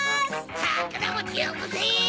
さくらもちよこせ！